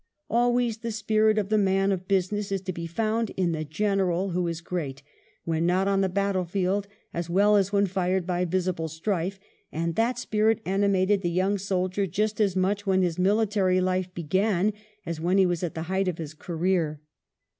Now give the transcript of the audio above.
Always the spirit of the man of business is to be found in the general who is great, when not on the battlefield as well as when fired by visible strife ; and that spirit animated the young soldier just as much when his military life began as when he was at the height of his career.